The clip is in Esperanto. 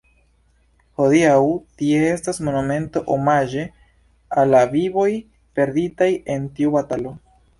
Hodiaŭ tie estas monumento omaĝe al la vivoj perditaj en tiu batalo.